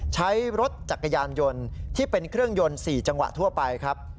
ใช้รถจักรยานยนต์ที่เป็นเครื่องยนต์๔จังหวะทั่วไปครับ